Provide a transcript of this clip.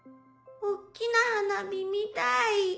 おっきな花火見たい。